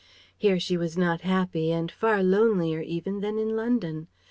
Here she was not happy and far lonelier even than in London.